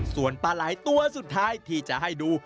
ส่วนปลาไหล่ตัวสุดท้ายที่จะให้ดู